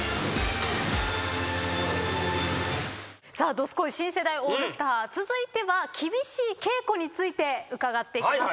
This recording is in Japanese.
どすこい！新世代オールスター続いては厳しい稽古について伺っていきます。